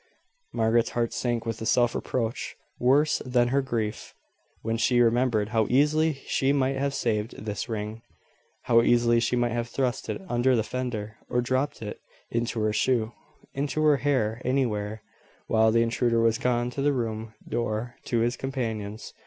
Margaret's heart sank with a self reproach worse than her grief, when she remembered how easily she might have saved this ring how easily she might have thrust it under the fender, or dropped it into her shoe, into her hair, anywhere, while the intruder was gone to the room door to his companions.